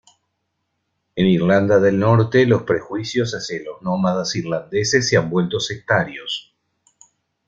En Irlanda del Norte los prejuicios hacia los nómadas irlandeses se han vuelto sectarios.